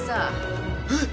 えっ？